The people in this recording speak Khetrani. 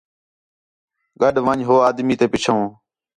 گڈھ ون٘ڄ ہو آدمی تے پِچھو